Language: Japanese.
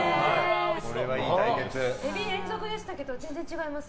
エビ、連続でしたけど全然違います？